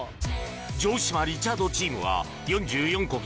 城島・リチャードチームは４４コギで